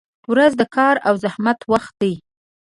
• ورځ د کار او زحمت وخت دی.